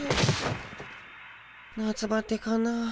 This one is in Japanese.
夏バテかな？